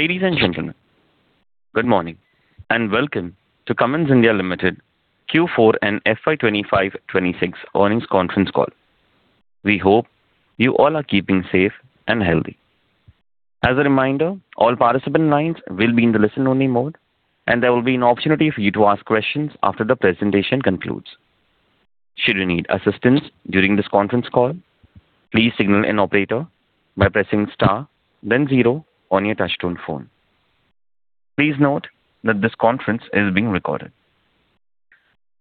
Ladies and gentlemen, good morning and welcome to Cummins India Limited Q4 and FY 2025/2026 earnings conference call. We hope you all are keeping safe and healthy. As a reminder, all participant lines will be in the listen only mode, and there will be an opportunity for you to ask questions after the presentation concludes. Should you need assistance during this conference call, please signal an operator by pressing star then zero on your touch-tone phone. Please note that this conference is being recorded.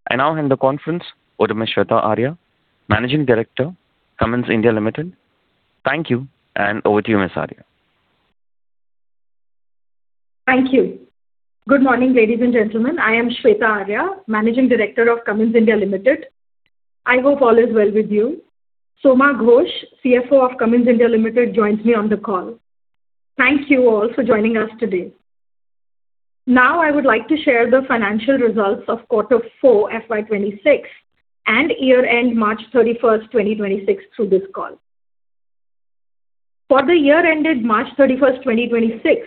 I now hand the conference over to Shveta Arya, Managing Director, Cummins India Limited. Thank you, and over to you, Ms. Arya. Thank you. Good morning, ladies and gentlemen. I am Shveta Arya, Managing Director of Cummins India Limited. I hope all is well with you. Soma Ghosh, CFO of Cummins India Limited, joins me on the call. Thank you all for joining us today. I would like to share the financial results of quarter four FY 2026 and year end March 31st, 2026 through this call. For the year ended March 31st, 2026,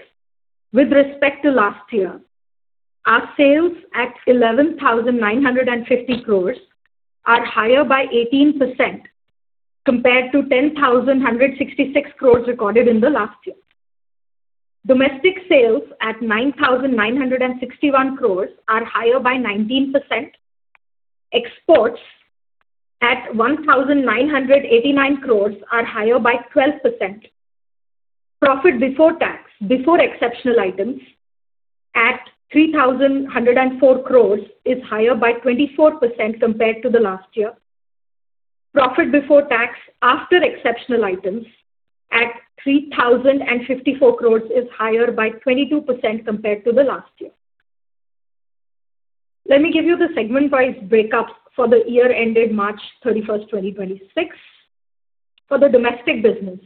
with respect to last year, our sales at 11,950 crores are higher by 18%, compared to 10,166 crores recorded in the last year. Domestic sales at 9,961 crores are higher by 19%. Exports at 1,989 crores are higher by 12%. Profit before tax, before exceptional items at 3,104 crores is higher by 24% compared to the last year. Profit before tax after exceptional items at 3,054 crores is higher by 22% compared to the last year. Let me give you the segment-wise breakups for the year ended March 31st, 2026. For the domestic business,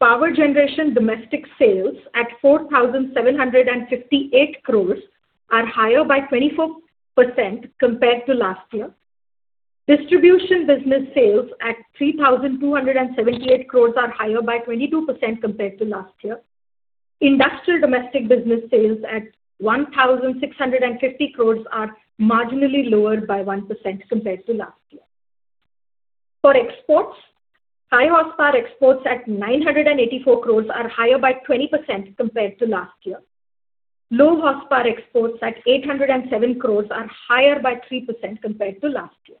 power generation domestic sales at 4,758 crore are higher by 24% compared to last year. Distribution business sales at 3,278 crore are higher by 22% compared to last year. Industrial domestic business sales at 1,650 crore are marginally lower by 1% compared to last year. For exports, high horsepower exports at 984 crore are higher by 20% compared to last year. Low horsepower exports at 807 crore are higher by 3% compared to last year.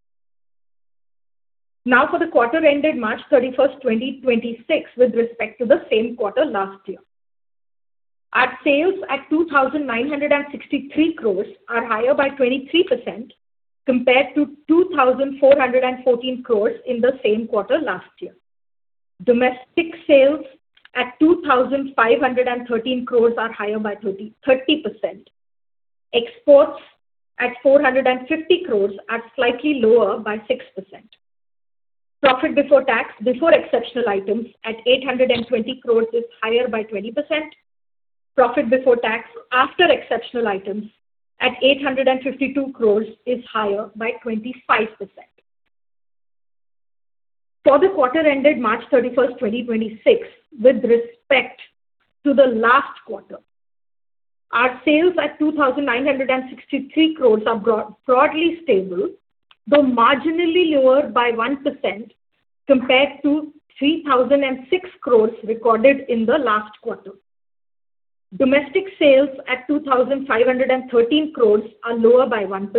Now for the quarter ended March 31st, 2026 with respect to the same quarter last year. Our sales at 2,963 crore are higher by 23% compared to 2,414 crore in the same quarter last year. Domestic sales at 2,513 crore are higher by 30%. Exports at 450 crore are slightly lower by 6%. Profit before tax, before exceptional items at 820 crores is higher by 20%. Profit before tax after exceptional items at 852 crores is higher by 25%. For the quarter ended March 31st, 2026 with respect to the last quarter, our sales at 2,963 crores are broadly stable, though marginally lower by 1% compared to 3,006 crores recorded in the last quarter. Domestic sales at 2,513 crores are lower by 1%.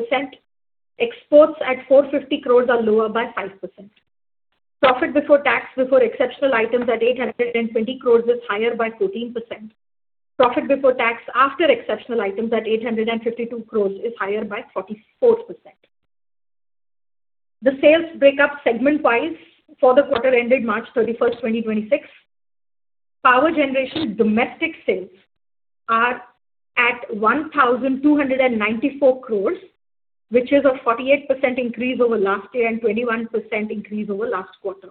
Exports at 450 crores are lower by 5%. Profit before tax, before exceptional items at 820 crores is higher by 14%. Profit before tax after exceptional items at 852 crores is higher by 44%. The sales breakup segment wise for the quarter ended March 31st, 2026. Power generation domestic sales are at 1,294 crores, which is a 48% increase over last year and 21% increase over last quarter.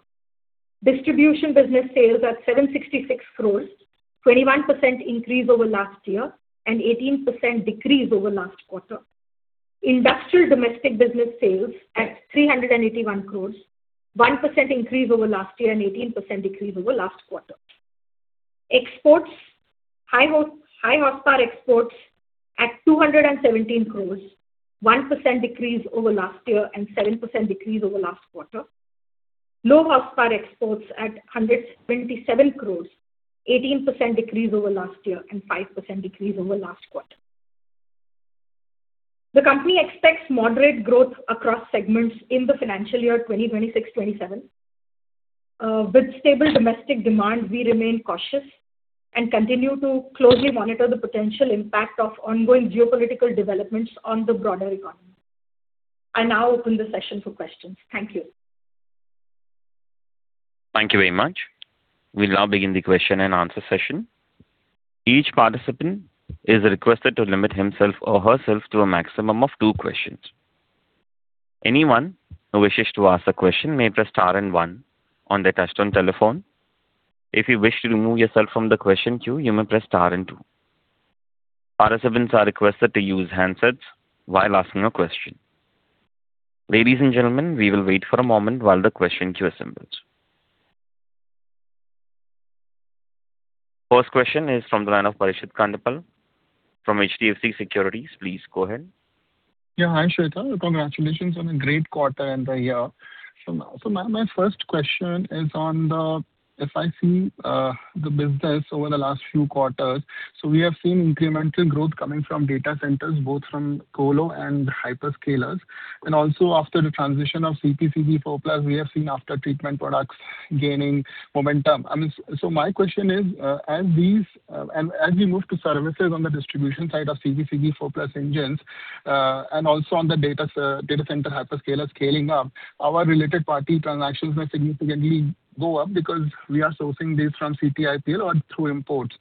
Distribution business sales at 766 crore, 21% increase over last year and 18% decrease over last quarter. Industrial domestic business sales at 381 crore, 1% increase over last year and 18% decrease over last quarter. Exports, high horsepower exports at 217 crore, 1% decrease over last year and 7% decrease over last quarter. Low horsepower exports at 127 crore, 18% decrease over last year and 5% decrease over last quarter. The company expects moderate growth across segments in the financial year 2026/2027. With stable domestic demand, we remain cautious and continue to closely monitor the potential impact of ongoing geopolitical developments on the broader economy. I now open the session for questions. Thank you. Thank you very much. We'll now begin the question and answer session. Each participant is requested to limit himself or herself to a maximum of two questions. Ladies and gentlemen, we will wait for a moment while the question queue assembles. First question is from the line of Parikshit Kandpal from HDFC Securities. Please go ahead. Hi, Shveta. Congratulations on a great quarter and the year. My first question is on the FIC, the business over the last few quarters. We have seen incremental growth coming from data centers, both from colo and hyperscalers. Also after the transition of CPCB IV+, we have seen aftertreatment products gaining momentum. My question is, as we move to services on the distribution side of CPCB IV+ engines, and also on the data center hyperscaler scaling up, our related party transactions may significantly go up because we are sourcing this from CTIPL or through imports.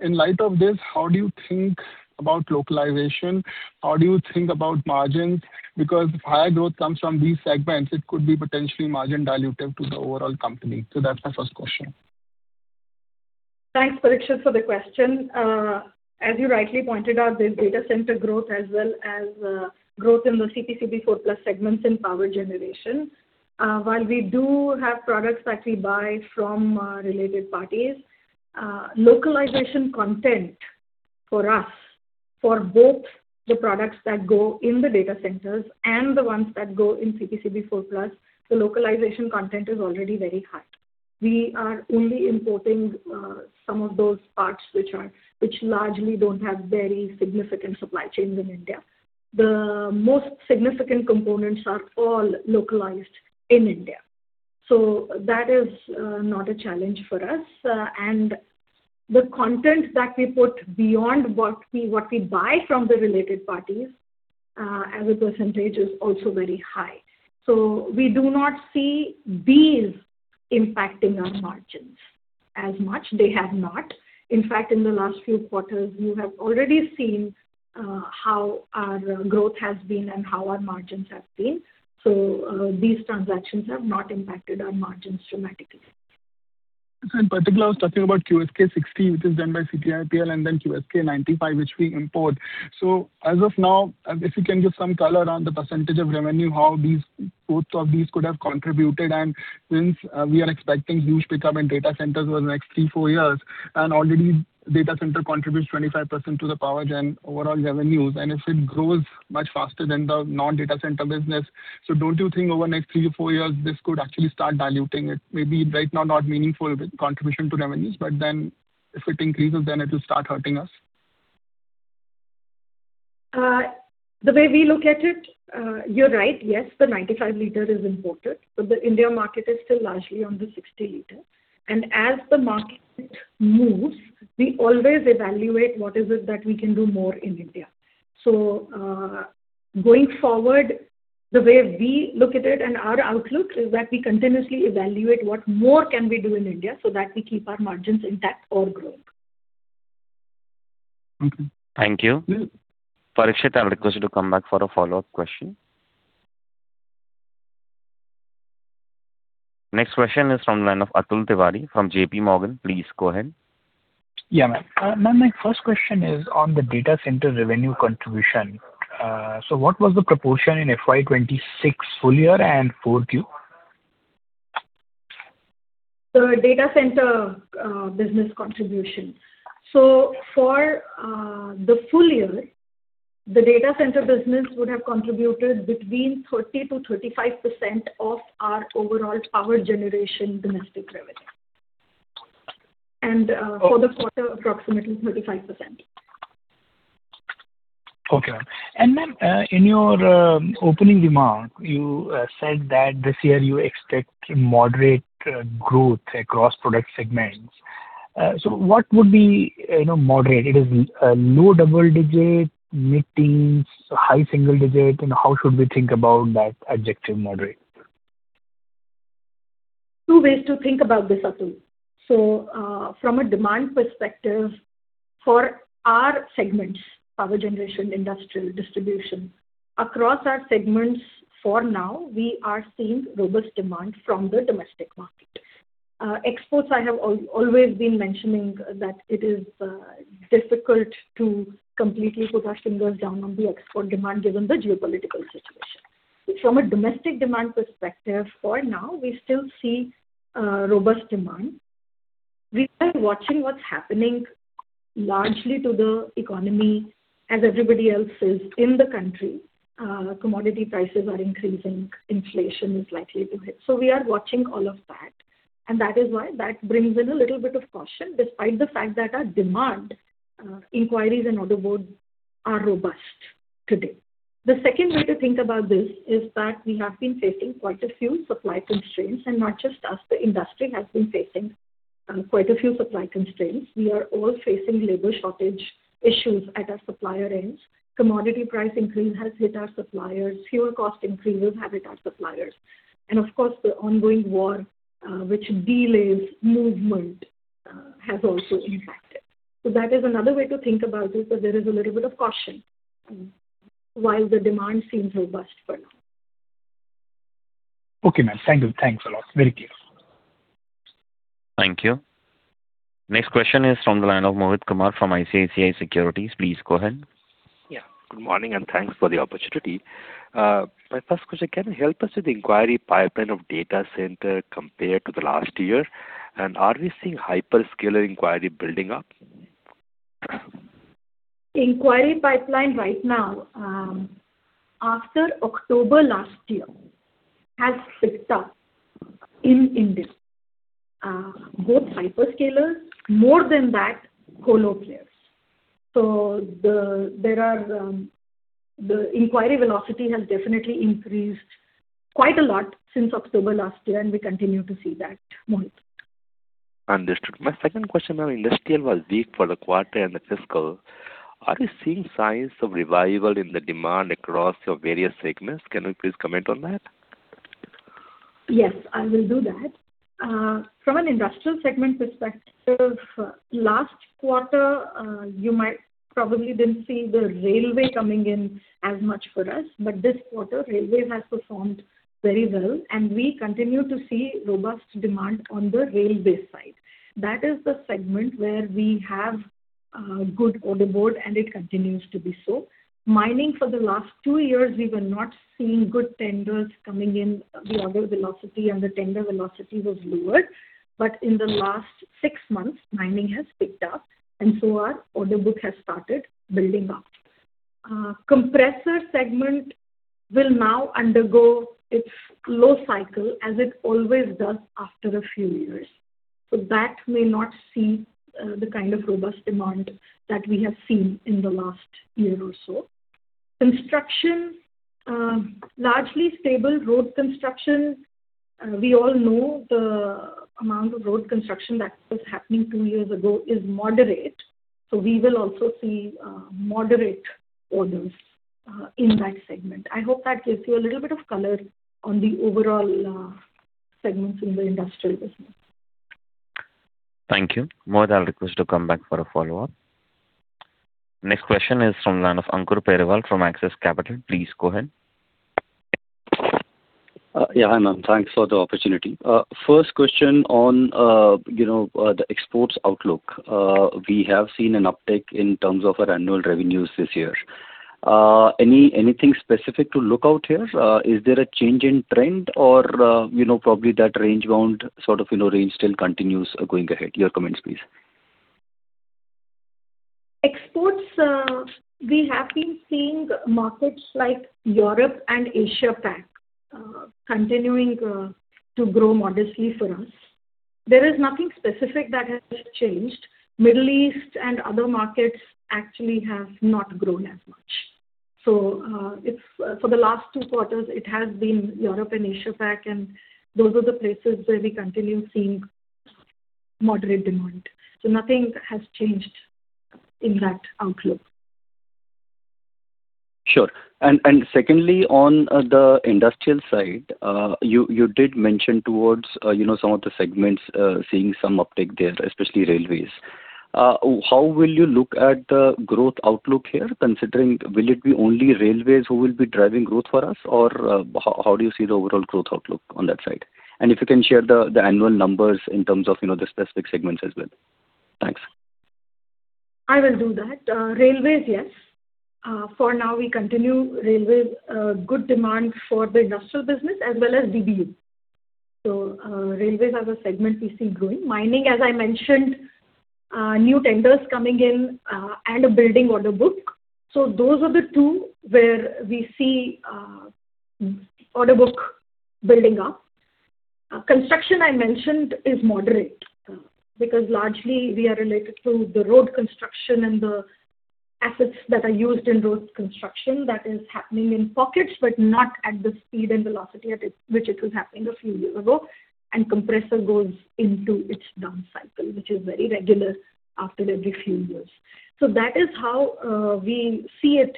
In light of this, how do you think about localization? How do you think about margins? Because if higher growth comes from these segments, it could be potentially margin dilutive to the overall company. That's my first question. Thanks, Parikshit, for the question. As you rightly pointed out, there's data center growth as well as growth in the CPCB IV+ segments in power generation. While we do have products that we buy from our related parties, localization content for us, for both the products that go in the data centers and the ones that go in CPCB IV+, the localization content is already very high. We are only importing some of those parts which largely don't have very significant supply chains in India. The most significant components are all localized in India. That is not a challenge for us. The content that we put beyond what we buy from the related parties, as a percentage, is also very high. We do not see these impacting our margins as much. They have not. In fact, in the last few quarters, you have already seen how our growth has been and how our margins have been. These transactions have not impacted our margins dramatically. In particular, I was talking about QSK60, which is done by CTIPL, and then QSK95, which we import. Since we are expecting huge pickup in data centers over the next three, four years, and already data center contributes 25% to the power gen overall revenues, and if it grows much faster than the non-data center business. Don't you think over the next three to four years, this could actually start diluting it? Maybe right now not meaningful contribution to revenues, but then if it increases, then it will start hurting us. The way we look at it, you're right. Yes, the 95 L is imported, but the India market is still largely on the 60 liter. As the market moves, we always evaluate what is it that we can do more in India. Going forward, the way we look at it and our outlook is that we continuously evaluate what more can we do in India so that we keep our margins intact or growing. Okay. Thank you. Parikshit, I request you to come back for a follow-up question. Next question is from the line of Atul Tiwari from JPMorgan. Please go ahead. Yeah, ma'am. Ma'am, my first question is on the data center revenue contribution. What was the proportion in FY 2026 full year and Q4? Data center business contribution. For the full year, the data center business would have contributed between 30%-35% of our overall power generation domestic revenue. For the quarter, approximately 35%. Okay, ma'am. Ma'am, in your opening remark, you said that this year you expect moderate growth across product segments. What would be moderate? It is low double digit, mid-teens, high single digit? How should we think about that adjective, moderate? Two ways to think about this, Atul. From a demand perspective, for our segments, power generation, industrial, distribution, across our segments, for now, we are seeing robust demand from the domestic market. Exports, I have always been mentioning that it is difficult to completely put our fingers down on the export demand given the geopolitical situation. From a domestic demand perspective, for now, we still see robust demand. We are watching what's happening largely to the economy as everybody else is in the country. Commodity prices are increasing, inflation is likely to hit. We are watching all of that, and that is why that brings in a little bit of caution, despite the fact that our demand inquiries and order books are robust today. The second way to think about this is that we have been facing quite a few supply constraints, and not just us. The industry has been facing quite a few supply constraints. We are all facing labor shortage issues at our supplier ends. Commodity price increase has hit our suppliers. Fuel cost increases have hit our suppliers. Of course, the ongoing war, which delays movement, has also impacted. That is another way to think about it, that there is a little bit of caution while the demand seems robust for now. Okay, ma'am. Thank you. Thanks a lot. Very clear. Thank you. Next question is from the line of Mohit Kumar from ICICI Securities. Please go ahead. Yeah. Good morning, and thanks for the opportunity. My first question, can you help us with the inquiry pipeline of data center compared to the last year? Are we seeing hyperscaler inquiry building up? Inquiry pipeline right now, after October last year, has picked up in India. Both hyperscalers, more than that colo players. The inquiry velocity has definitely increased quite a lot since October last year, and we continue to see that, Mohit. Understood. My second question, ma'am, industrial was weak for the quarter and the fiscal. Are we seeing signs of revival in the demand across your various segments? Can you please comment on that? Yes, I will do that. From an industrial segment perspective, last quarter, you might probably didn't see the railway coming in as much for us. This quarter, railway has performed very well, and we continue to see robust demand on the railway side. That is the segment where we have good order board, and it continues to be so. Mining for the last two years, we were not seeing good tenders coming in. The order velocity and the tender velocity was lower. In the last six months, mining has picked up, our order book has started building up. Compressor segment will now undergo its low cycle as it always does after a few years. That may not see the kind of robust demand that we have seen in the last year or so. Construction, largely stable road construction. We all know the amount of road construction that was happening two years ago is moderate. We will also see moderate orders in that segment. I hope that gives you a little bit of color on the overall segments in the industrial business. Thank you. Mohit, I'll request to come back for a follow-up. Next question is from line of Ankur Periwal from Axis Capital. Please go ahead. Hi, ma'am. Thanks for the opportunity. First question on the exports outlook. We have seen an uptick in terms of our annual revenues this year. Anything specific to look out here? Is there a change in trend or probably that range-bound sort of range still continues going ahead? Your comments, please. Exports, we have been seeing markets like Europe and Asia-Pac continuing to grow modestly for us. There is nothing specific that has changed. Middle East and other markets actually have not grown as much. For the last two quarters, it has been Europe and Asia-Pac, and those are the places where we continue seeing moderate demand. Nothing has changed in that outlook. Sure. Secondly, on the industrial side, you did mention towards some of the segments seeing some uptick there, especially railways. How will you look at the growth outlook here, considering will it be only railways who will be driving growth for us? Or how do you see the overall growth outlook on that side? If you can share the annual numbers in terms of the specific segments as well. Thanks. I will do that. Railways, yes. For now, we continue railways good demand for the industrial business as well as DBU. Railways as a segment we see growing. Mining, as I mentioned, new tenders coming in and a building order book. Those are the two where we see order book building up. Construction, I mentioned, is moderate because largely we are related to the road construction and the assets that are used in road construction that is happening in pockets, but not at the speed and velocity at which it was happening a few years ago. Compressor goes into its down cycle, which is very regular after every few years. That is how we see it,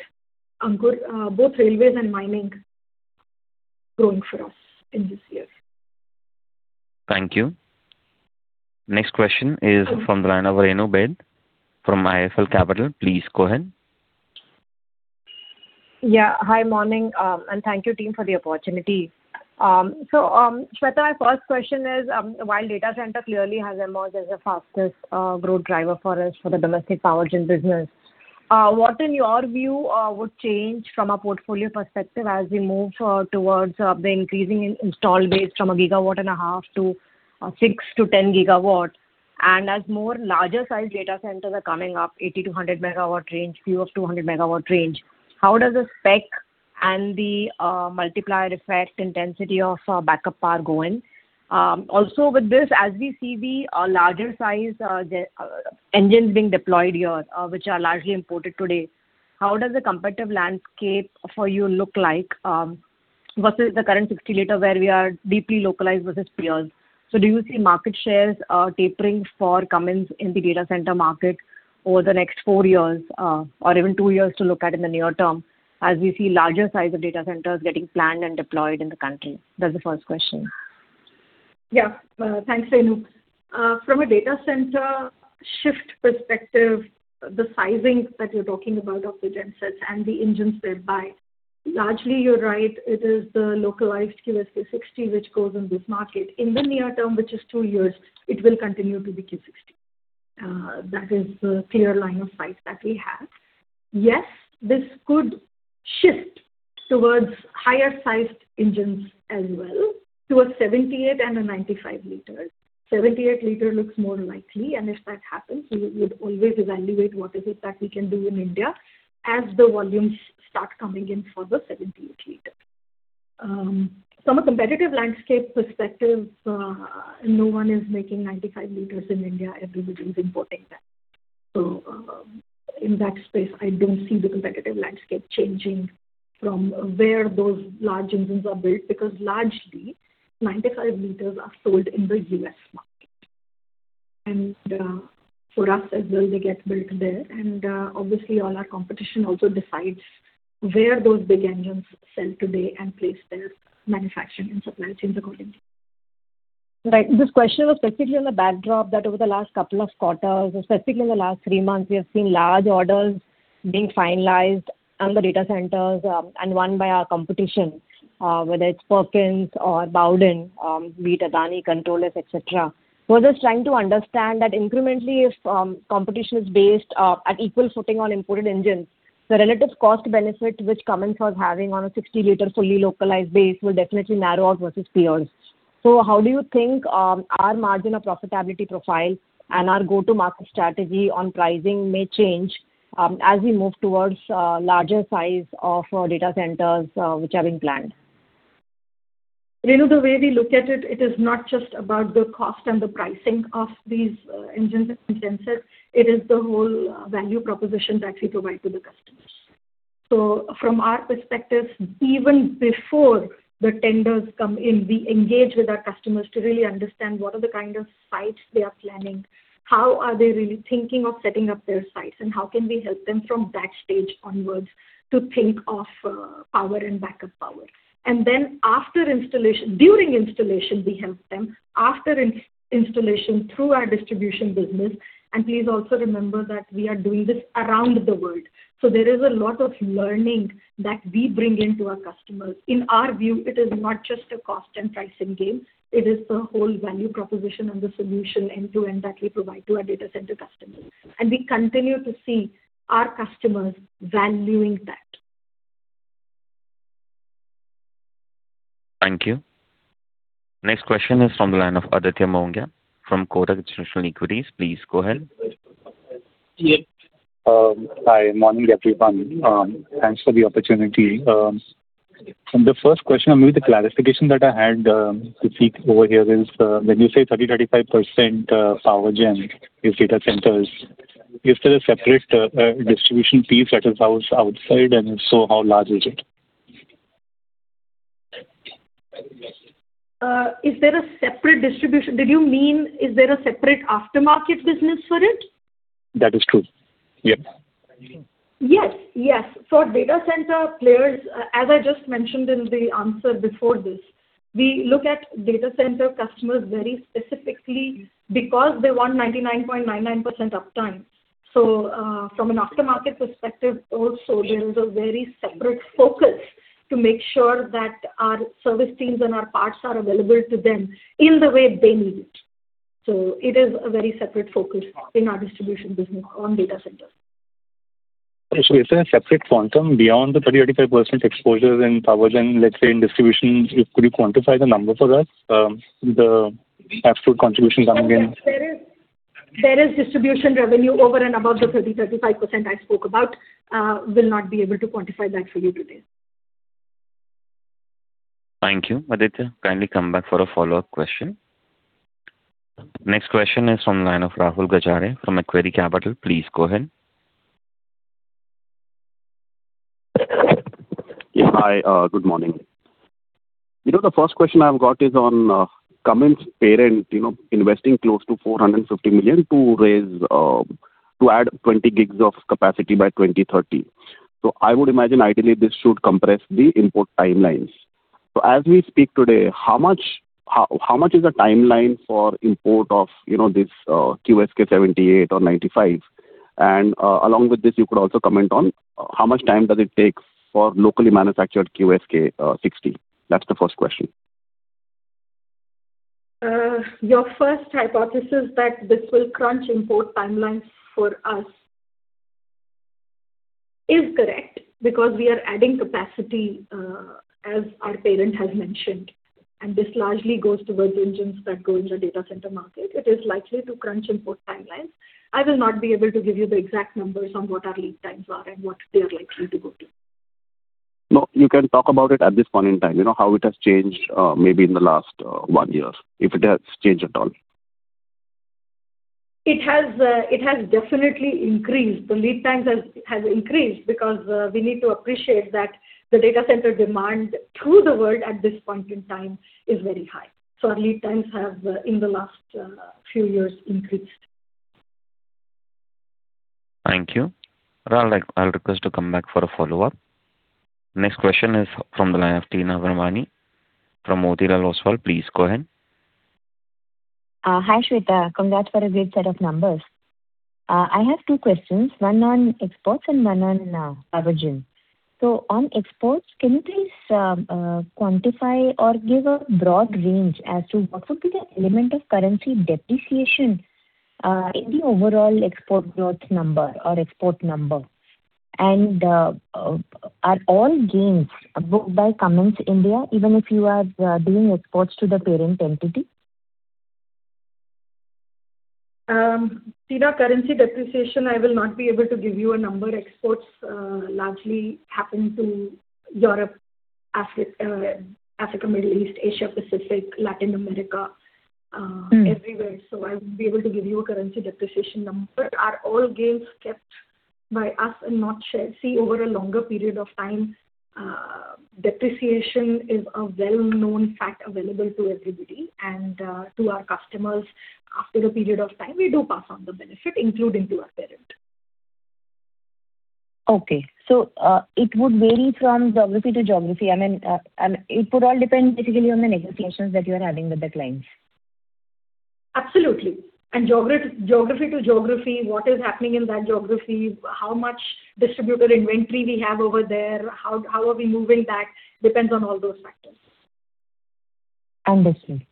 Ankur, both railways and mining growing for us in this year. Thank you. Next question is from the line of Renu Baid from IIFL Capital. Please go ahead. Hi, morning, thank you team for the opportunity. Shveta, my first question is, while data center clearly has emerged as the fastest growth driver for us for the domestic power gen business, what in your view would change from a portfolio perspective as we move towards the increasing install base from a 1.5 GW to 6 GW to 10 GW? As more larger size data centers are coming up 80 MW-100 MW range, few of 200 MW range, how does the spec and the multiplier effect intensity of backup power going? With this, as we see the larger size engines being deployed here, which are largely imported today, how does the competitive landscape for you look like versus the current 60 L where we are deeply localized versus peers? Do you see market shares tapering for Cummins in the data center market over the next four years or even two years to look at in the near term, as we see larger size of data centers getting planned and deployed in the country? That's the first question. Yeah. Thanks, Renu. From a data center shift perspective, the sizing that you're talking about of the gensets and the engines thereby, largely you're right, it is the localized QSK60 which goes in this market. In the near term, which is two years, it will continue to be QSK60. That is the clear line of sight that we have. Yes, this could shift towards higher sized engines as well, towards 78 L and a 95 L. 78 L looks more likely, and if that happens, we would always evaluate what is it that we can do in India as the volumes start coming in for the 78 L. From a competitive landscape perspective, no one is making 95 L in India. Everybody's importing that. In that space, I don't see the competitive landscape changing from where those large engines are built, because largely QSK95 are sold in the U.S. market. For us as well, they get built there and, obviously, all our competition also decides where those big engines sell today and place their manufacturing and supply chains accordingly. Right. This question was specifically on the backdrop that over the last couple of quarters or specifically in the last three months, we have seen large orders being finalized on the data centers, and won by our competition, whether it's Perkins or Baudouin, be it Adani, CtrlS, et cetera. I was just trying to understand that incrementally if competition is based at equal footing on imported engines, the relative cost benefit which Cummins was having on a 60 L fully localized base will definitely narrow out versus peers. How do you think our margin of profitability profile and our go-to-market strategy on pricing may change as we move towards larger size of data centers which are being planned? Renu, the way we look at it is not just about the cost and the pricing of these engines and gensets. It is the whole value proposition that we provide to the customers. From our perspective, even before the tenders come in, we engage with our customers to really understand what are the kind of sites they are planning, how are they really thinking of setting up their sites, and how can we help them from that stage onwards to think of power and backup power. Then during installation, we help them, after installation through our distribution business, and please also remember that we are doing this around the world. There is a lot of learning that we bring in to our customers. In our view, it is not just a cost and pricing game, it is the whole value proposition and the solution end-to-end that we provide to our data center customers. We continue to see our customers valuing that. Thank you. Next question is from the line of Aditya Mongia from Kotak Institutional Equities. Please go ahead. Hi. Morning, everyone. Thanks for the opportunity. The first question or maybe the clarification that I had, Deepthi, over here is, when you say 30%, 35% power gen is data centers, is there a separate distribution piece that is outside, and if so, how large is it? Did you mean is there a separate aftermarket business for it? That is true. Yep. Yes. For data center players, as I just mentioned in the answer before this, we look at data center customers very specifically because they want 99.99% uptime. From an aftermarket perspective also, there is a very separate focus to make sure that our service teams and our parts are available to them in the way they need it. It is a very separate focus in our distribution business on data centers. Is there a separate quantum beyond the 30%, 35% exposure in power gen, let's say, in distribution? Could you quantify the number for that, the absolute contribution coming in? There is distribution revenue over and above the 30%, 35% I spoke about. Will not be able to quantify that for you today. Thank you. Aditya, kindly come back for a follow-up question. Next question is from the line of Rahul Gajare from Macquarie Capital. Please go ahead. Yeah. Hi, good morning. The first question I've got is on Cummins parent investing close to $450 million to add 20 gigs of capacity by 2030. I would imagine ideally this should compress the import timelines. As we speak today, how much is the timeline for import of this QSK78 or QSK95? Along with this, you could also comment on how much time does it take for locally manufactured QSK60? That's the first question. Your first hypothesis that this will crunch import timelines for us is correct, because we are adding capacity, as our parent has mentioned. This largely goes towards engines that go in the data center market. It is likely to crunch import timelines. I will not be able to give you the exact numbers on what our lead times are and what they are likely to go to. No, you can talk about it at this point in time. How it has changed maybe in the last one year, if it has changed at all? It has definitely increased. The lead times has increased because we need to appreciate that the data center demand through the world at this point in time is very high. Our lead times have, in the last few years, increased. Thank you. I'll request to come back for a follow-up. Next question is from the line of Teena Virmani from Motilal Oswal. Please go ahead. Hi, Shveta. Congrats for a great set of numbers. I have two questions, one on exports and one on power gen. On exports, can you please quantify or give a broad range as to what would be the element of currency depreciation, in the overall export growth number or export number? Are all gains booked by Cummins India, even if you are doing exports to the parent entity? Teena, currency depreciation, I will not be able to give you a number. Exports largely happen to Europe, Africa, Middle East, Asia-Pacific, Latin America, everywhere. I won't be able to give you a currency depreciation number. Are all gains kept by us and not shared? Over a longer period of time, depreciation is a well-known fact available to everybody and to our customers. After a period of time, we do pass on the benefit, including to our parent. Okay. It would vary from geography to geography. I mean, it would all depend basically on the negotiations that you are having with the clients. Absolutely. Geography to geography, what is happening in that geography, how much distributor inventory we have over there, how are we moving that, depends on all those factors. Understood.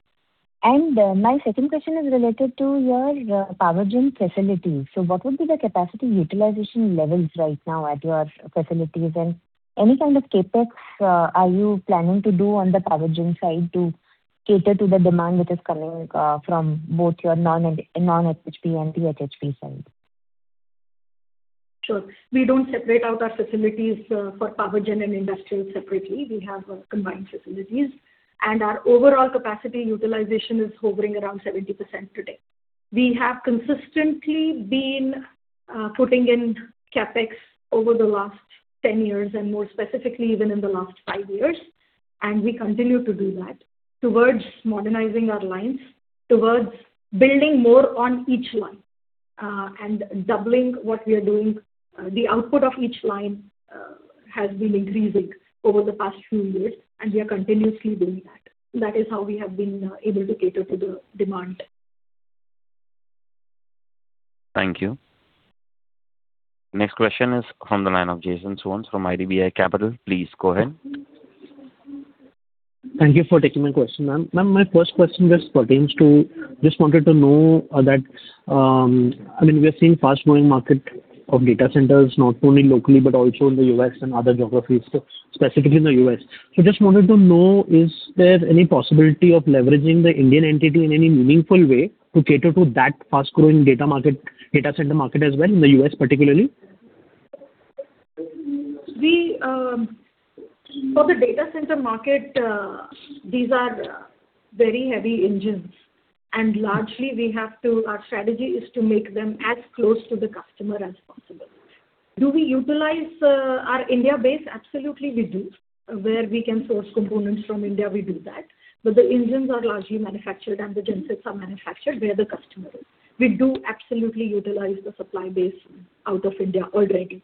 My second question is related to your power gen facility. What would be the capacity utilization levels right now at your facilities? Any kind of CapEx are you planning to do on the power gen side to cater to the demand that is coming from both your non-HHP and the HHP side? Sure. We don't separate out our facilities for power gen and industrial separately. We have combined facilities, and our overall capacity utilization is hovering around 70% today. We have consistently been putting in CapEx over the last 10 years and more specifically even in the last five years. We continue to do that towards modernizing our lines, towards building more on each line, and doubling what we are doing. The output of each line has been increasing over the past few years, and we are continuously doing that. That is how we have been able to cater to the demand. Thank you. Next question is from the line of Jason Soans from IDBI Capital. Please go ahead. Thank you for taking my question, ma'am. Ma'am, my first question just pertains to, just wanted to know that, I mean, we are seeing fast-growing market of data centers, not only locally but also in the U.S. and other geographies, so specifically in the U.S. Just wanted to know, is there any possibility of leveraging the Indian entity in any meaningful way to cater to that fast-growing data center market as well, in the U.S. particularly? For the data center market, these are very heavy engines, and largely our strategy is to make them as close to the customer as possible. Do we utilize our India base? Absolutely, we do. Where we can source components from India, we do that. The engines are largely manufactured and the gensets are manufactured where the customer is. We do absolutely utilize the supply base out of India already.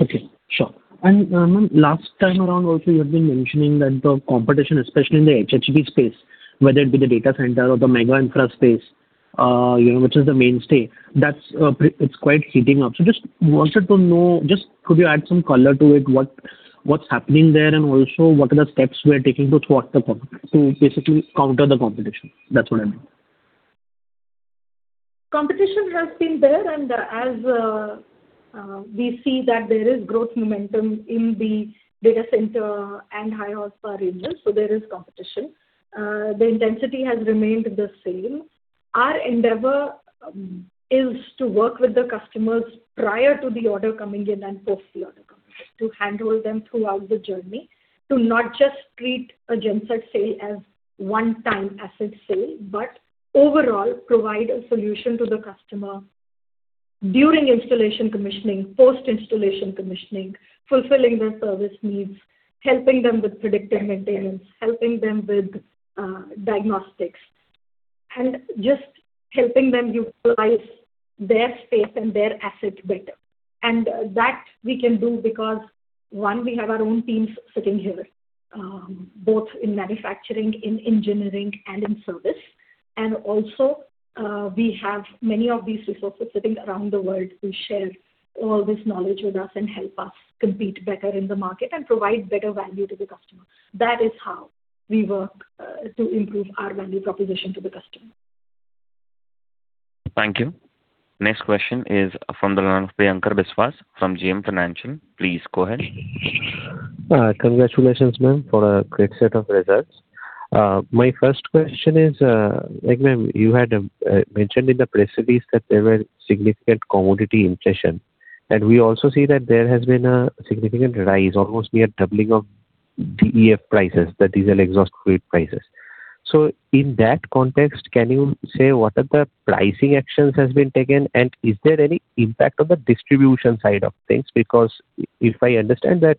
Okay, sure. Ma'am, last time around also, you have been mentioning that the competition, especially in the HHP space, whether it be the data center or the mega infra space, which is the mainstay, it's quite heating up. Just wanted to know, could you add some color to it? What's happening there, and also what are the steps we are taking to basically counter the competition? That's what I meant. Competition has been there. As we see that there is growth momentum in the data center and high horsepower engines, there is competition. The intensity has remained the same. Our endeavor is to work with the customers prior to the order coming in and post the order coming in, to handhold them throughout the journey. To not just treat a genset sale as one-time asset sale, but overall provide a solution to the customer during installation commissioning, post installation commissioning, fulfilling their service needs, helping them with predictive maintenance, helping them with diagnostics, and just helping them utilize their space and their asset better. That we can do because, one, we have our own teams sitting here, both in manufacturing, in engineering, and in service. Also, we have many of these resources sitting around the world who share all this knowledge with us and help us compete better in the market and provide better value to the customer. That is how we work to improve our value proposition to the customer. Thank you. Next question is from the line of Priyankar Biswas from JM Financial. Please go ahead. Congratulations, ma'am, for a great set of results. My first question is, like ma'am, you had mentioned in the press release that there were significant commodity inflation, and we also see that there has been a significant rise, almost near doubling of DEF prices, the diesel exhaust fluid prices. In that context, can you say what are the pricing actions has been taken, and is there any impact on the distribution side of things? If I understand that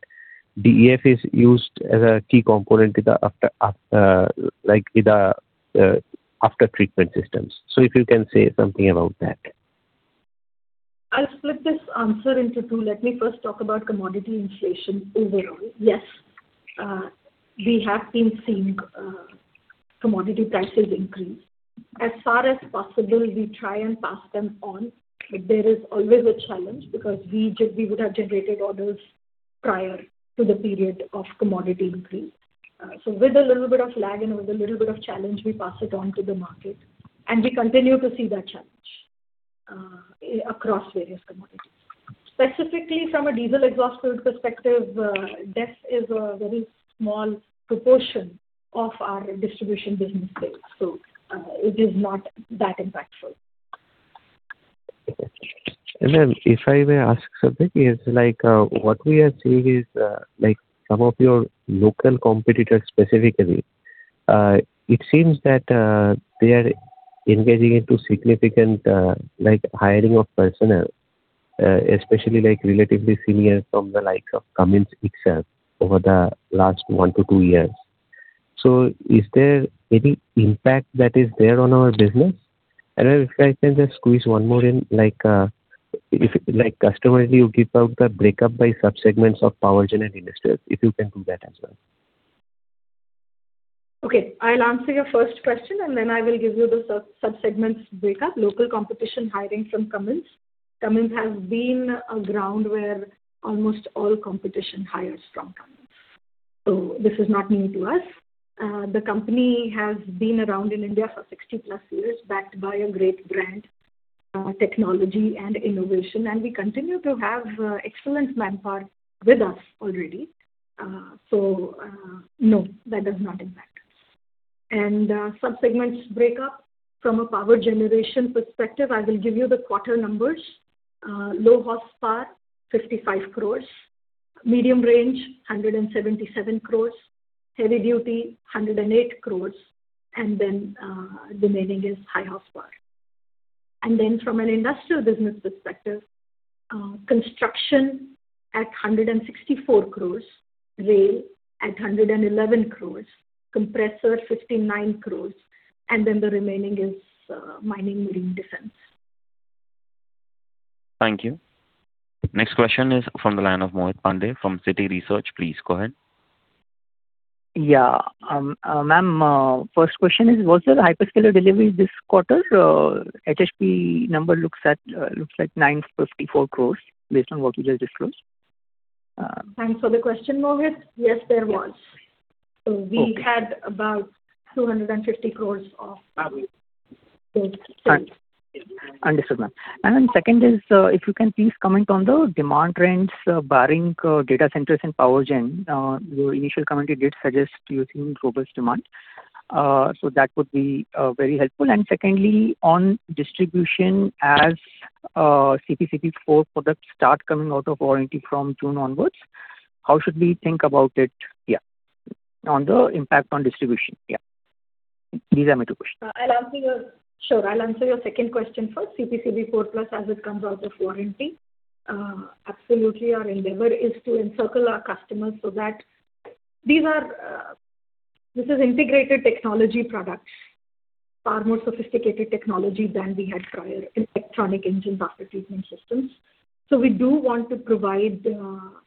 DEF is used as a key component with the aftertreatment systems. If you can say something about that. I'll split this answer into two. Let me first talk about commodity inflation overall. Yes, we have been seeing commodity prices increase. As far as possible, we try and pass them on, but there is always a challenge because we would have generated orders prior to the period of commodity increase. With a little bit of lag and with a little bit of challenge, we pass it on to the market, and we continue to see that challenge across various commodities. Specifically, from a diesel exhaust fluid perspective, DEF is a very small proportion of our distribution business sales, so it is not that impactful. Then if I may ask something, what we are seeing is some of your local competitors, specifically, it seems that they are engaging into significant hiring of personnel, especially relatively senior from the likes of Cummins itself over the last one to two years. Is there any impact that is there on our business? If I can just squeeze one more in, like customers, you give out the breakup by subsegments of power gen and industrial, if you can do that as well. Okay. I'll answer your first question. Then I will give you the subsegments breakup. Local competition hiring from Cummins. Cummins has been a ground where almost all competition hires from Cummins. This is not new to us. The company has been around in India for 60+ years, backed by a great brand, technology and innovation. We continue to have excellent manpower with us already. No, that does not impact. Subsegments breakup from a power generation perspective, I will give you the quarter numbers. Low horsepower, 55 crores. Medium range, 177 crores. Heavy duty, 108 crores. The remaining is high horsepower. From an industrial business perspective, construction at 164 crores, rail at 111 crores, compressor 59 crores, and then the remaining is mining, marine, defense. Thank you. Next question is from the line of Mohit Pandey from Citi Research. Please go ahead. Yeah. Ma'am, first question is, was there hyperscaler delivery this quarter? HHP number looks like 954 crores based on what you just disclosed. Thanks for the question, Mohit. Yes, there was. Okay. We had about INR 250 crore of revenue. Understood, ma'am. Second is, if you can please comment on the demand trends barring data centers and power gen. Your initial comment, you did suggest you're seeing robust demand. That would be very helpful. Secondly, on distribution as CPCB IV+ products start coming out of warranty from June onwards, how should we think about it, yeah, on the impact on distribution? Yeah. These are my two questions. Sure. I'll answer your second question first. CPCB IV+ as it comes out of warranty. Absolutely our endeavor is to encircle our customers so that this is integrated technology products, far more sophisticated technology than we had prior in electronic engine aftertreatment systems. We do want to provide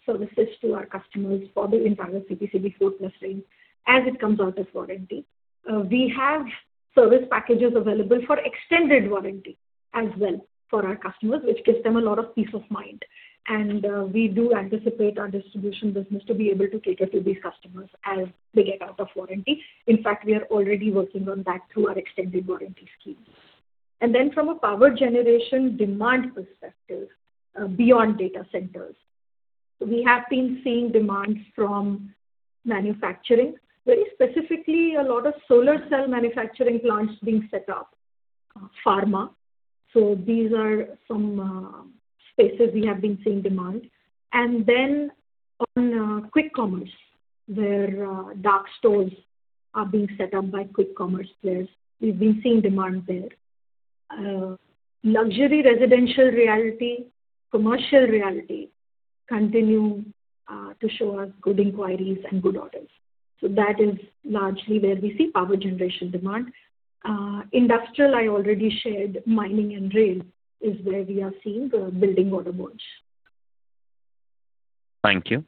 services to our customers for the entire CPCB IV+ range as it comes out of warranty. We have service packages available for extended warranty as well for our customers, which gives them a lot of peace of mind. We do anticipate our distribution business to be able to cater to these customers as they get out of warranty. In fact, we are already working on that through our extended warranty scheme. From a power generation demand perspective, beyond data centers, we have been seeing demand from manufacturing, very specifically a lot of solar cell manufacturing plants being set up. Pharma. These are some spaces we have been seeing demand. On quick commerce, where dark stores are being set up by quick commerce players, we've been seeing demand there. Luxury residential realty, commercial realty continue to show us good inquiries and good orders. That is largely where we see power generation demand. Industrial, I already shared mining and rail is where we are seeing building order books. Thank you.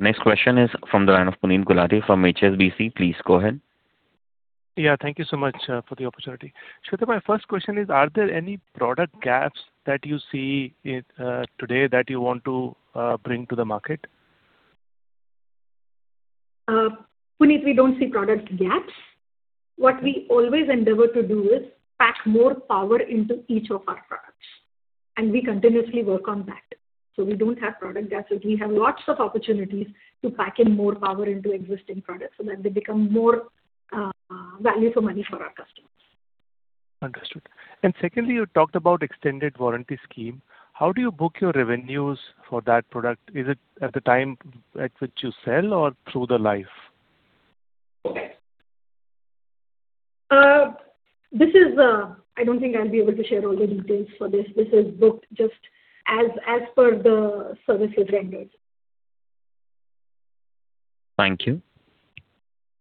Next question is from the line of Puneet Gulati from HSBC. Please go ahead. Yeah. Thank you so much for the opportunity. Shveta, my first question is, are there any product gaps that you see today that you want to bring to the market? Puneet, we don't see product gaps. What we always endeavor to do is pack more power into each of our products, and we continuously work on that. We don't have product gaps. We have lots of opportunities to pack in more power into existing products so that they become more value for money for our customers. Understood. Secondly, you talked about extended warranty scheme. How do you book your revenues for that product? Is it at the time at which you sell or through the life? I don't think I'll be able to share all the details for this. This is booked just as per the services rendered. Thank you.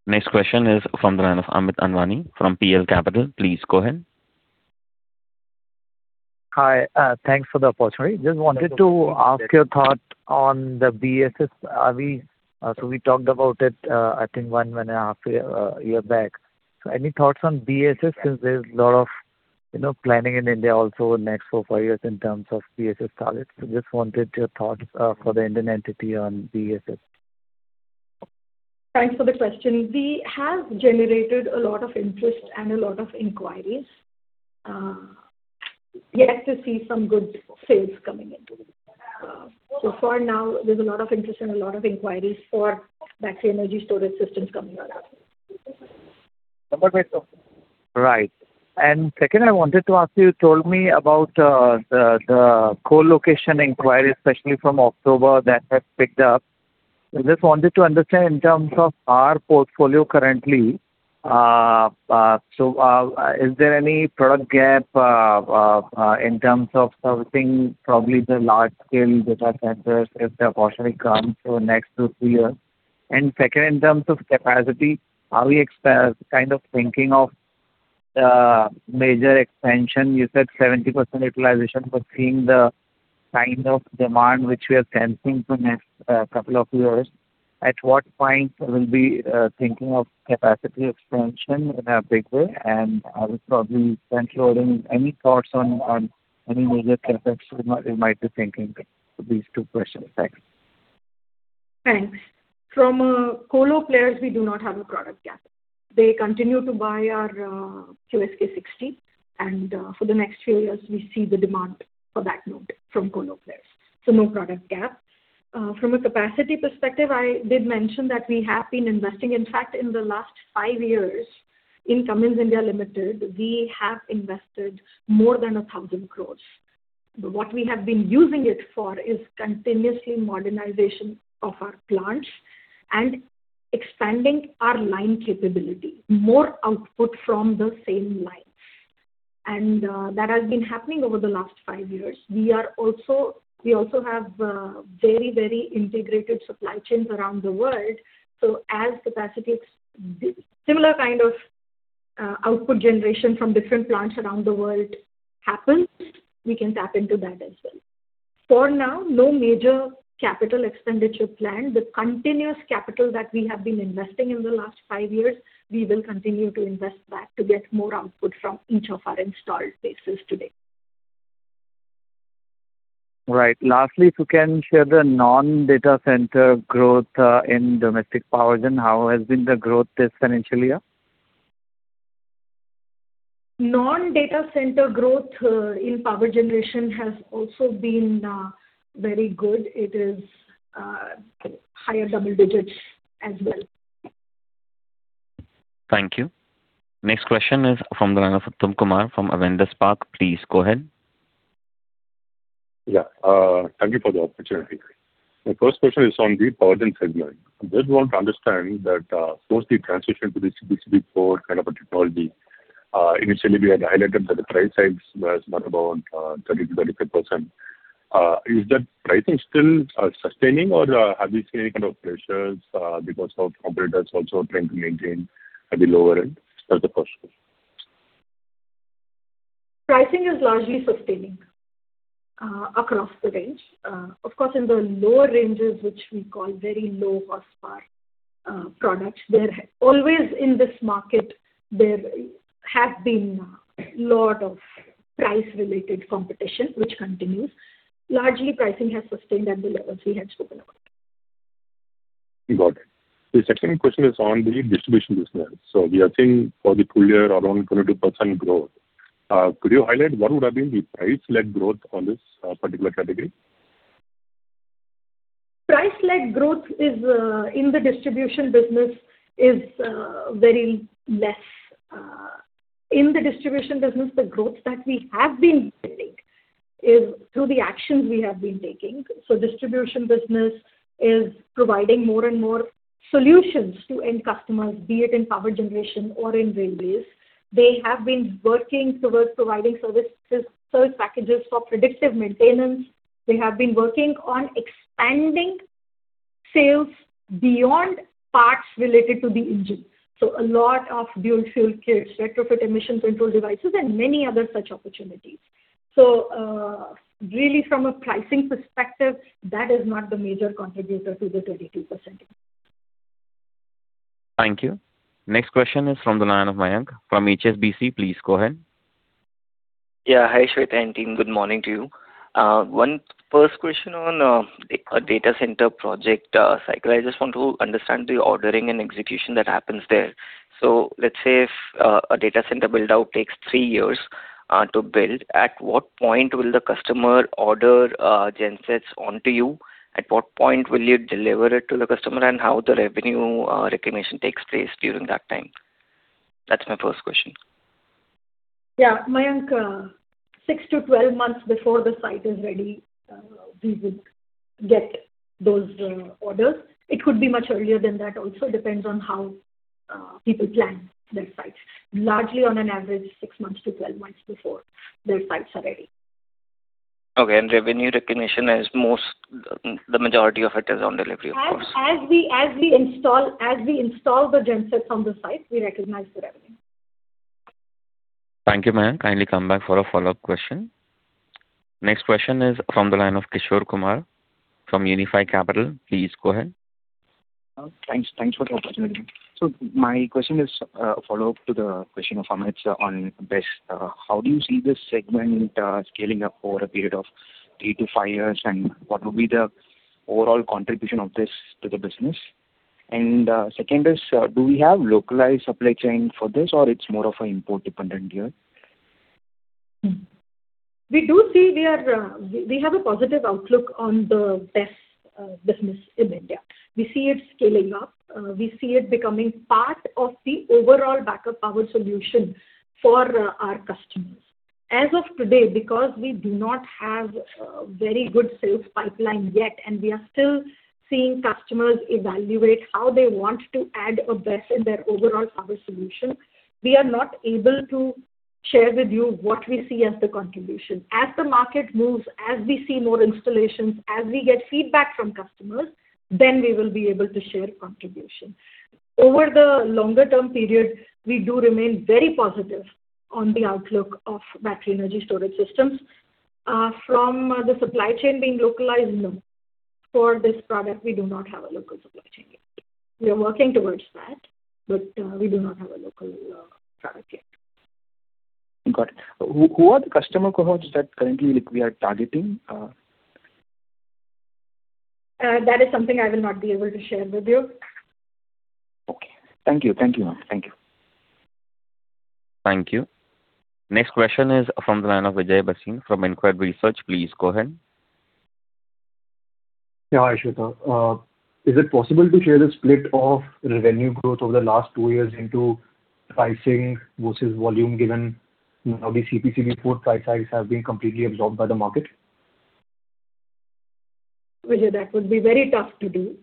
Next question is from the line of Amit Anwani from PL Capital. Please go ahead. Hi. Thanks for the opportunity. Just wanted to ask your thought on the BESS. We talked about it, I think, one and a half year back. Any thoughts on BESS since there's lot of planning in India also next for four years in terms of BESS targets? Just wanted your thoughts for the Indian entity on BESS. Thanks for the question. We have generated a lot of interest and a lot of inquiries, yet to see some good sales coming into it. For now, there's a lot of interest and a lot of inquiries for battery energy storage systems coming out. Right. Second, I wanted to ask you told me about the co-location inquiry, especially from October that has picked up. I just wanted to understand in terms of our portfolio currently, is there any product gap in terms of servicing probably the large scale data centers if they possibly come for next two, three years? Second, in terms of capacity, are we kind of thinking of major expansion? You said 70% utilization, but seeing the kind of demand which we are sensing for next couple of years, at what point we'll be thinking of capacity expansion in a big way? I would probably front-loading any thoughts on any major CapEx you might be thinking for these two questions. Thanks. Thanks. From colo players, we do not have a product gap. They continue to buy our QSK60 and for the next few years, we see the demand for that note from colo players. No product gap. From a capacity perspective, I did mention that we have been investing. In fact, in the last five years in Cummins India Limited, we have invested more than 1,000 crores. What we have been using it for is continuously modernization of our plants and expanding our line capability, more output from the same lines. That has been happening over the last five years. We also have very integrated supply chains around the world. As capacity, similar kind of output generation from different plants around the world happens, we can tap into that as well. For now, no major capital expenditure plan. The continuous capital that we have been investing in the last five years, we will continue to invest that to get more output from each of our installed bases today. Right. Lastly, if you can share the non-data center growth in domestic power gen, how has been the growth this financial year? Non-data center growth in power generation has also been very good. It is higher double digits as well. Thank you. Next question is from the line of Uttham Kumar from Avendus Spark. Please go ahead. Yeah. Thank you for the opportunity. My first question is on the power gen segment. I just want to understand that post the transition to the CPCB IV kind of a technology, initially we had highlighted that the price hike was about 30%-35%. Is that pricing still sustaining or have you seen any kind of pressures because of competitors also trying to maintain at the lower end? That's the first question. Pricing is largely sustaining across the range. Of course, in the lower ranges, which we call very low horsepower products, always in this market, there have been a lot of price related competition which continues. Largely, pricing has sustained at the levels we had spoken about. Got it. The second question is on the distribution business. We are seeing for the full year around 22% growth. Could you highlight what would have been the price-led growth on this particular category? Price-led growth in the distribution business is very less. In the distribution business, the growth that we have been building is through the actions we have been taking. Distribution business is providing more solutions to end customers, be it in power generation or in railways. They have been working towards providing service packages for predictive maintenance. They have been working on expanding sales beyond parts related to the engine. A lot of dual fuel kits, retrofit emission control devices, and many other such opportunities. Really from a pricing perspective, that is not the major contributor to the 22%. Thank you. Next question is from the line of Mayank from HSBC. Please go ahead. Yeah. Hi, Shveta and team. Good morning to you. First question on a data center project cycle. I just want to understand the ordering and execution that happens there. Let's say if a data center build-out takes three years to build, at what point will the customer order gensets onto you? At what point will you deliver it to the customer? How the revenue recognition takes place during that time? That's my first question. Yeah. Mayank, 6-12 months before the site is ready. We would get those orders. It could be much earlier than that also, depends on how people plan their sites. Largely on an average, 6-12 months before their sites are ready. Okay. Revenue recognition, the majority of it is on delivery, of course. As we install the genset on the site, we recognize the revenue. Thank you, Mayank. Kindly come back for a follow-up question. Next question is from the line of Kishore Kumar from Unifi Capital. Please go ahead. Thanks for the opportunity. My question is a follow-up to the question of Amit on BESS. How do you see this segment scaling up over a period of three to five years, and what will be the overall contribution of this to the business? Second is, do we have localized supply chain for this or it is more of an import dependent here? We have a positive outlook on the BESS business in India. We see it scaling up. We see it becoming part of the overall backup power solution for our customers. As of today, because we do not have a very good sales pipeline yet, and we are still seeing customers evaluate how they want to add a BESS in their overall power solution, we are not able to share with you what we see as the contribution. As the market moves, as we see more installations, as we get feedback from customers, then we will be able to share contribution. Over the longer-term period, we do remain very positive on the outlook of battery energy storage systems. From the supply chain being localized, no. For this product, we do not have a local supply chain yet. We are working towards that, but we do not have a local product yet. Got it. Who are the customer cohorts that currently we are targeting? That is something I will not be able to share with you. Okay. Thank you, ma'am. Thank you. Thank you. Next question is from the line of Vijay Bhasin from InCred Research. Please go ahead. Yeah. Hi, Shveta. Is it possible to share the split of revenue growth over the last two years into pricing versus volume given how the CPCB IV+ size have been completely absorbed by the market? Vijay, that would be very tough to do.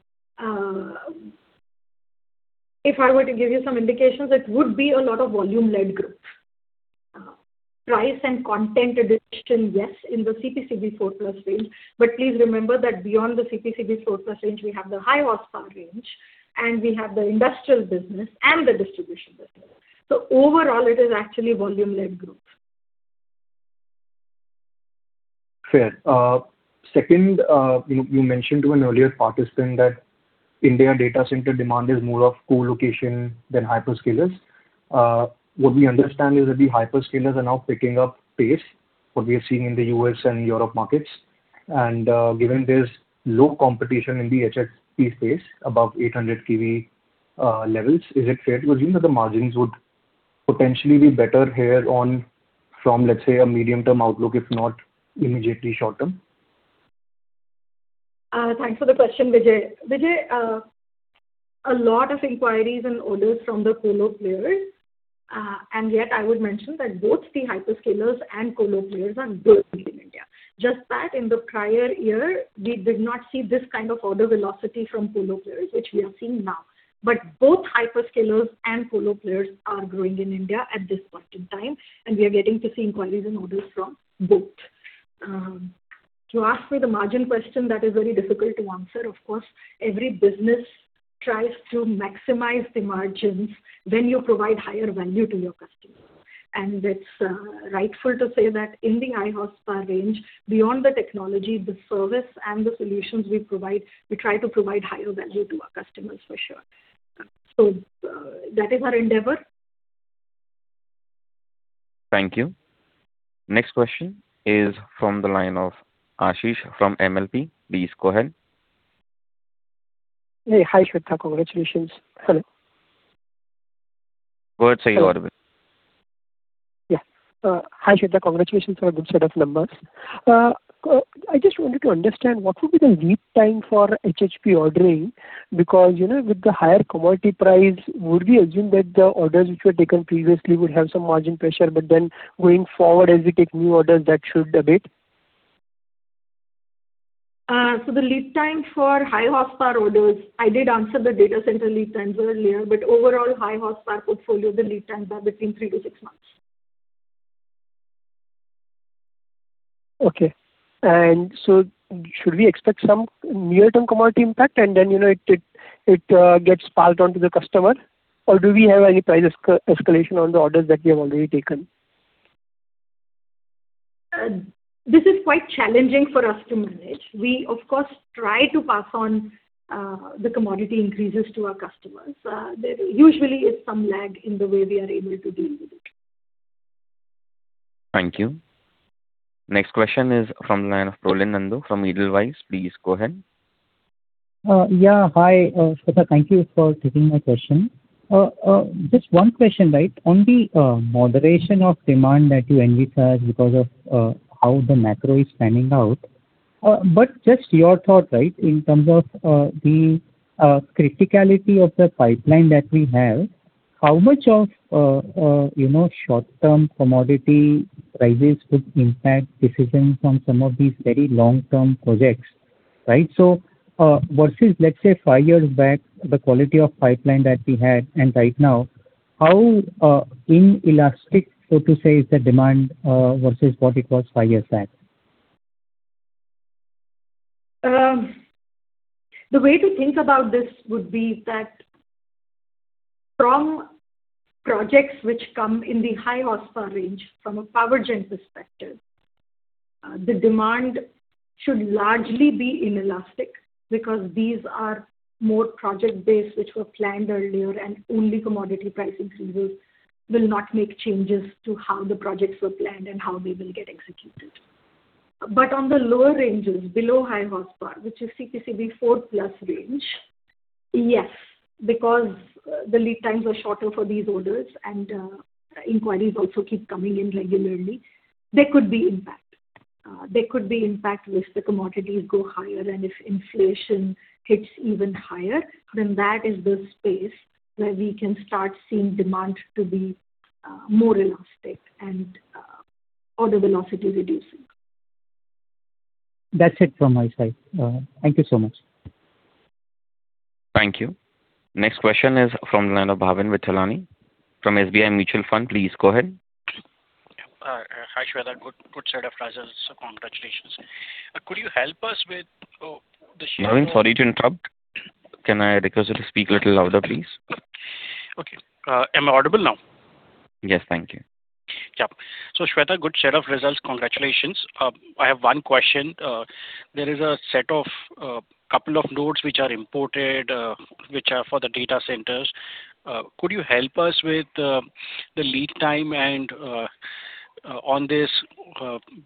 If I were to give you some indications, it would be a lot of volume-led growth. Price and content addition, yes, in the CPCB IV+ range, but please remember that beyond the CPCB IV+ range, we have the high horsepower range, and we have the industrial business and the distribution business. Overall, it is actually volume-led growth. Fair. Second, you mentioned to an earlier participant that India data center demand is more of co-location than hyperscalers. What we understand is that the hyperscalers are now picking up pace, what we are seeing in the U.S. and Europe markets. Given there's low competition in the HHP space above 800 kVA levels, is it fair to assume that the margins would potentially be better here on from, let's say, a medium-term outlook, if not immediately short term? Thanks for the question, Vijay. Vijay, a lot of inquiries and orders from the colo players. Yet I would mention that both the hyperscalers and colo players are growing in India. Just that in the prior year, we did not see this kind of order velocity from colo players, which we are seeing now. Both hyperscalers and colo players are growing in India at this point in time, and we are getting to see inquiries and orders from both. You asked me the margin question, that is very difficult to answer. Of course, every business tries to maximize the margins when you provide higher value to your customers. It's rightful to say that in the high horsepower range, beyond the technology, the service, and the solutions we provide, we try to provide higher value to our customers, for sure. That is our endeavor. Thank you. Next question is from the line of Ashish from MLP. Please go ahead. Hey. Hi, Shveta. Congratulations. Hello. Go ahead, sir. Hi, Shveta. Congratulations on a good set of numbers. I just wanted to understand what would be the lead time for HHP ordering, because with the higher commodity price, would we assume that the orders which were taken previously would have some margin pressure, but then going forward as we take new orders, that shift a bit? The lead time for high horsepower orders, I did answer the data center lead times earlier, but overall, high horsepower portfolio, the lead times are between three to six months. Okay. Should we expect some near-term commodity impact and then it gets passed on to the customer? Do we have any price escalation on the orders that we have already taken? This is quite challenging for us to manage. We, of course, try to pass on the commodity increases to our customers. There usually is some lag in the way we are able to deal with it. Thank you. Next question is from the line of Prolin Nandu from Edelweiss. Please go ahead. Hi, Shveta. Thank you for taking my question. Just one question. On the moderation of demand that you envisaged because of how the macro is panning out. Just your thoughts in terms of the criticality of the pipeline that we have. How much of short-term commodity prices could impact decisions on some of these very long-term projects? Versus, let's say, five years back, the quality of pipeline that we had and right now, how inelastic, so to say, is the demand, versus what it was five years back? The way to think about this would be that from projects which come in the high horsepower range from a power gen perspective, the demand should largely be inelastic because these are more project-based, which were planned earlier, and only commodity pricing signals will not make changes to how the projects were planned and how they will get executed. On the lower ranges below high horsepower, which is CPCB IV+ range, yes, because the lead times are shorter for these orders and inquiries also keep coming in regularly. There could be impact. There could be impact if the commodities go higher and if inflation hits even higher, then that is the space where we can start seeing demand to be more elastic and order velocity reducing. That's it from my side. Thank you so much. Thank you. Next question is from the line of Bhavin Vithlani from SBI Mutual Fund. Please go ahead. Hi, Shveta. Good set of results. Congratulations. Could you help us with the share. Bhavin, sorry to interrupt. Can I request you to speak a little louder, please? Okay. Am I audible now? Yes. Thank you. Yeah. Shveta, good set of results. Congratulations. I have one question. There is a set of couple of nodes which are imported, which are for the data centers. Could you help us with the lead time and on this?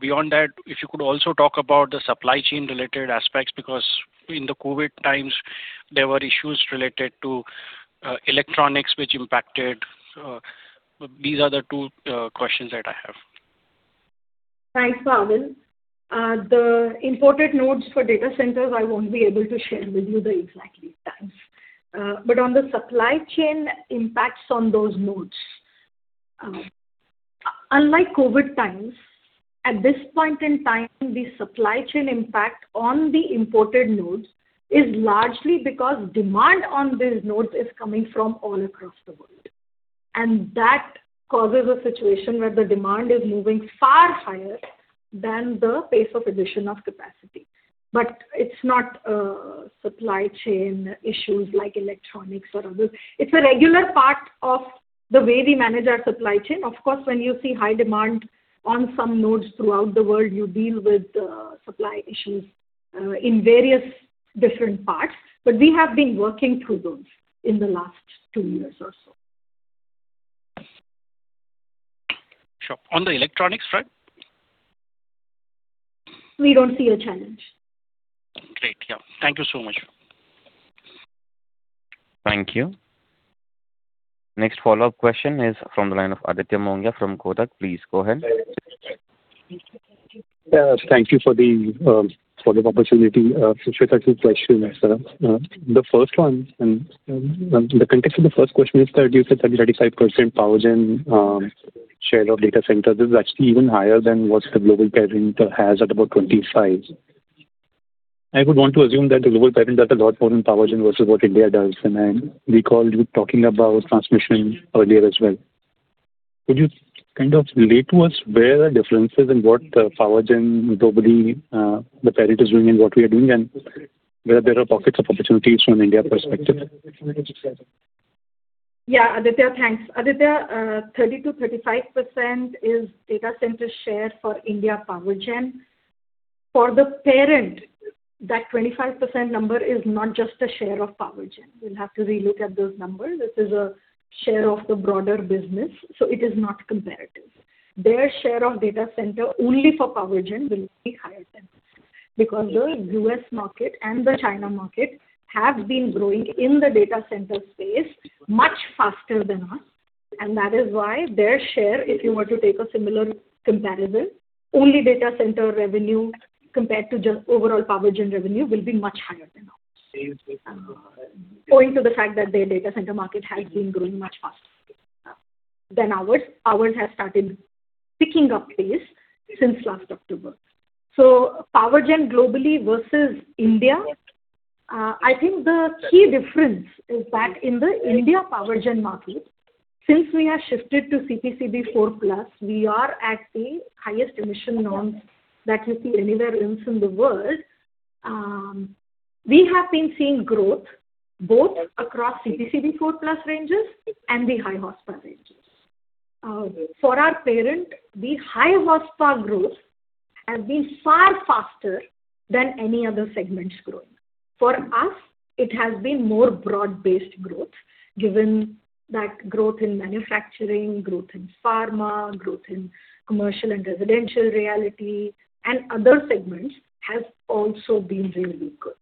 Beyond that, if you could also talk about the supply chain related aspects, because in the COVID times, there were issues related to electronics, which impacted. These are the two questions that I have. Thanks, Bhavin. The imported nodes for data centers, I won't be able to share with you the exact lead times. On the supply chain impacts on those nodes. Unlike COVID times, at this point in time, the supply chain impact on the imported nodes is largely because demand on these nodes is coming from all across the world, and that causes a situation where the demand is moving far higher than the pace of addition of capacity. It's not supply chain issues like electronics or others. It's a regular part of the way we manage our supply chain. Of course, when you see high demand on some nodes throughout the world, you deal with supply issues in various different parts. We have been working through those in the last two years or so. Sure. On the electronics front? We don't see a challenge. Great. Yeah. Thank you so much. Thank you. Next follow-up question is from the line of Aditya Mongia from Kotak. Please go ahead. Thank you for the follow-up opportunity. Shveta, two questions. The context of the first question is that you said 30%-35% power gen share of data centers is actually even higher than what the global parent has at about 25%. I would want to assume that the global parent does a lot more in power gen versus what India does. I recall you talking about transmission earlier as well. Could you kind of relate to us where the difference is in what the power gen globally the parent is doing and what we are doing, and where there are pockets of opportunities from an India perspective? Yeah. Aditya, thanks. Aditya, 30%-35% is data center share for India power gen. For the parent, that 25% number is not just a share of power gen. We'll have to relook at those numbers. This is a share of the broader business, it is not comparative. Their share of data center only for power gen will be higher than this because the U.S. market and the China market have been growing in the data center space much faster than us. That is why their share, if you were to take a similar comparable, only data center revenue compared to just overall power gen revenue will be much higher than ours. Owing to the fact that their data center market has been growing much faster than ours. Ours has started picking up pace since last October. Power gen globally versus India. I think the key difference is that in the India power gen market, since we have shifted to CPCB IV+, we are at the highest emission norms that you see anywhere else in the world. We have been seeing growth both across CPCB IV+ ranges and the high horsepower ranges. For our parent, the high horsepower growth has been far faster than any other segment's growth. For us, it has been more broad-based growth, given that growth in manufacturing, growth in pharma, growth in commercial and residential realty, and other segments has also been really good.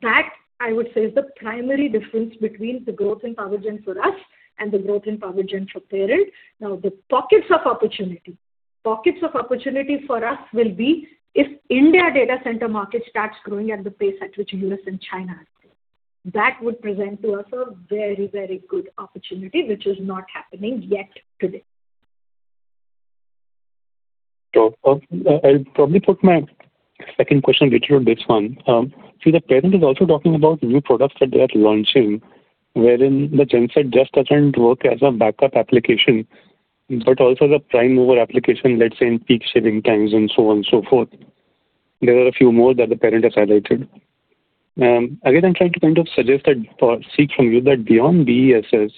That, I would say, is the primary difference between the growth in power gen for us and the growth in power gen for parent. Pockets of opportunity for us will be if India data center market starts growing at the pace at which U.S. and China are growing. That would present to us a very, very good opportunity, which is not happening yet today. Sure. I'll probably put my second question little on this one. The parent is also talking about new products that they are launching, wherein the genset just doesn't work as a backup application, but also the prime mover application, let's say, in peak shaving times and so on and so forth. There are a few more that the parent has highlighted. Again, I'm trying to kind of suggest that or seek from you that beyond BESS,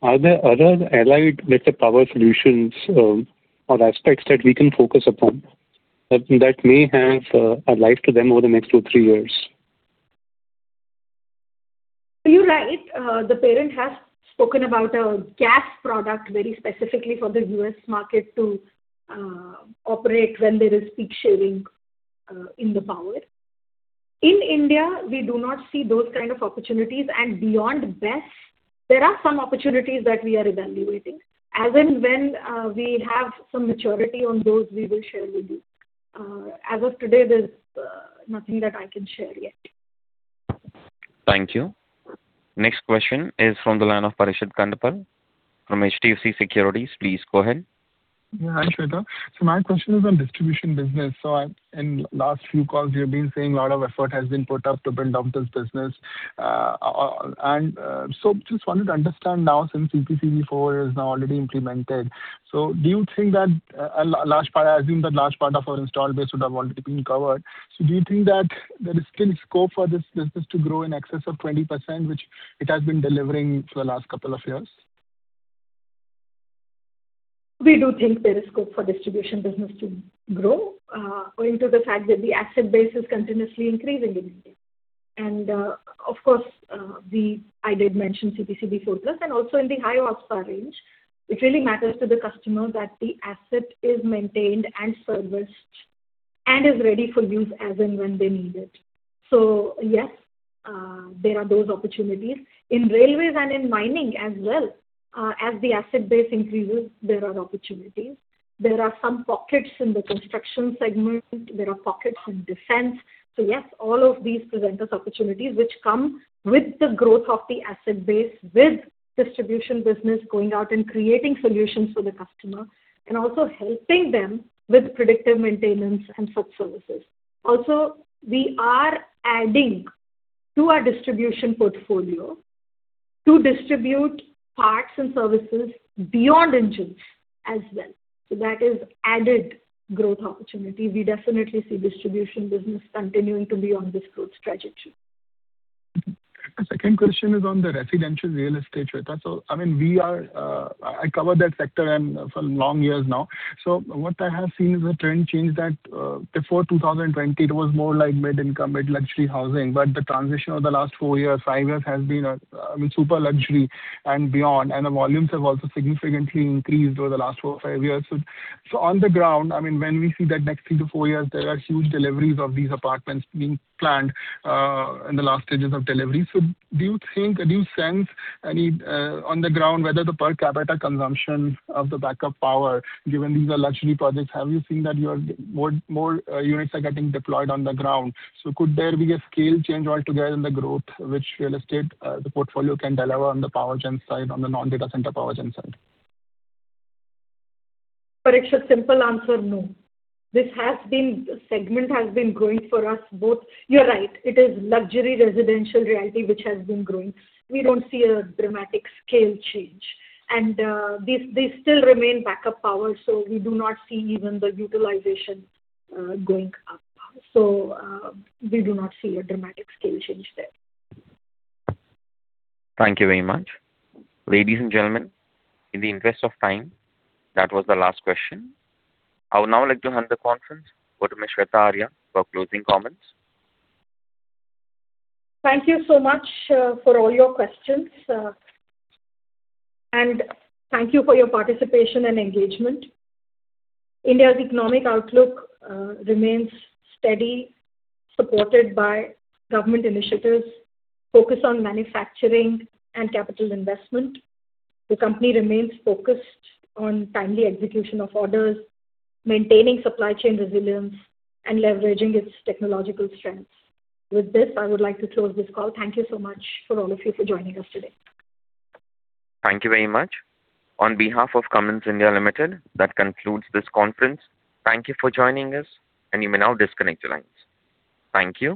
are there other allied power solutions or aspects that we can focus upon, that may have a life to them over the next two, three years? You're right. The parent has spoken about a gas product very specifically for the U.S. market to operate when there is peak shaving in the power. In India, we do not see those kind of opportunities. Beyond BESS, there are some opportunities that we are evaluating. As and when we have some maturity on those, we will share with you. As of today, there's nothing that I can share yet. Thank you. Next question is from the line of Parikshit Kandpal from HDFC Securities. Please go ahead. Hi, Shveta. My question is on distribution business. In last few calls, you've been saying a lot of effort has been put up to build out this business. Just wanted to understand now since CPCB IV is now already implemented, I assume that large part of our install base would have already been covered. Do you think that there is still scope for this business to grow in excess of 20%, which it has been delivering for the last couple of years? We do think there is scope for distribution business to grow, owing to the fact that the asset base is continuously increasing in India. Of course, I did mention CPCB IV+, and also in the high horsepower range, it really matters to the customer that the asset is maintained and serviced and is ready for use as and when they need it. Yes, there are those opportunities. In railways and in mining as well, as the asset base increases, there are opportunities. There are some pockets in the construction segment, there are pockets in defense. Yes, all of these present us opportunities which come with the growth of the asset base, with distribution business going out and creating solutions for the customer and also helping them with predictive maintenance and such services. We are adding to our distribution portfolio to distribute parts and services beyond engines as well. That is added growth opportunity. We definitely see distribution business continuing to be on this growth trajectory. The second question is on the residential real estate, Shveta. I cover that sector for long years now. What I have seen is a trend change that before 2020, it was more like mid-income, mid-luxury housing, but the transition over the last four years, five years has been super luxury and beyond. The volumes have also significantly increased over the last four or five years. On the ground, when we see that next three to four years, there are huge deliveries of these apartments being planned in the last stages of delivery. Do you sense any on the ground whether the per capita consumption of the backup power, given these are luxury projects, have you seen that more units are getting deployed on the ground? Could there be a scale change altogether in the growth which real estate, the portfolio can deliver on the power gen side, on the non-data center power gen side? Parikshit, simple answer, no. This segment has been growing for us both. You're right, it is luxury residential realty which has been growing. We don't see a dramatic scale change. They still remain backup power, so we do not see even the utilization going up. We do not see a dramatic scale change there. Thank you very much. Ladies and gentlemen, in the interest of time, that was the last question. I would now like to hand the conference over to Ms. Shveta Arya for closing comments. Thank you so much for all your questions. Thank you for your participation and engagement. India's economic outlook remains steady, supported by government initiatives, focus on manufacturing and capital investment. The company remains focused on timely execution of orders, maintaining supply chain resilience, and leveraging its technological strengths. With this, I would like to close this call. Thank you so much for all of you for joining us today. Thank you very much. On behalf of Cummins India Limited, that concludes this conference. Thank you for joining us, and you may now disconnect your lines. Thank you.